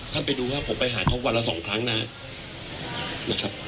ท่านไปดูครับผมไปหาเขาวันละสองครั้งนะครับ